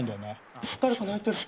あ、誰か泣いている。